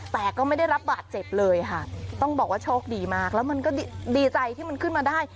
แต่ก็ไม่ได้รับบาดเจ็บเลยค่ะต้องบอกว่าโชคดีมากแล้วมันก็ดีใจที่มันขึ้นมาได้